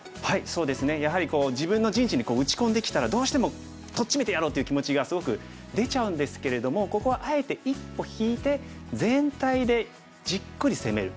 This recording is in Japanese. そうですねやはり自分の陣地に打ち込んできたらどうしてもとっちめてやろうっていう気持ちがすごく出ちゃうんですけれどもここはあえて一歩引いて全体でじっくり攻める。